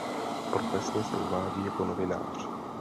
Profesně se uvádí jako novinář.